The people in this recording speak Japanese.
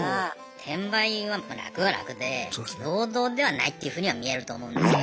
転売は楽は楽で労働ではないっていうふうには見えると思うんですよ。